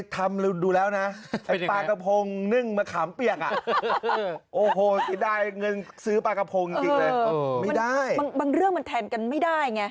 บางเรื่องมันแทนกันไม่ได้ไง